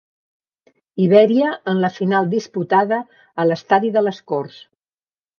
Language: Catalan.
Ibèria en la final disputada a l'estadi de les Corts.